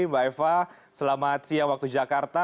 mbak eva selamat siang waktu jakarta